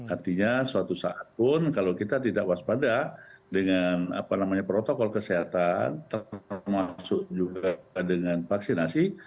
artinya suatu saat pun kalau kita tidak waspada dengan protokol kesehatan termasuk juga dengan vaksinasi